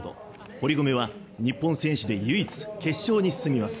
堀米は、日本選手で唯一決勝に進みます。